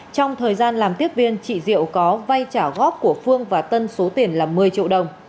trong thời gian làm tiếp viên chị diệu có vay trả góp của phương và tân số tiền là một mươi triệu đồng